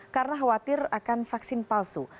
karena khawatir akan vaksin palsu